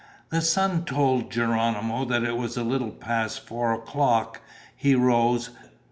The sun told Geronimo that it was a little past four o'clock. He rose.